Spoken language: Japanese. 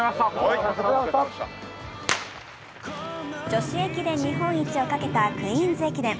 女子駅伝日本一をかけたクイーンズ駅伝。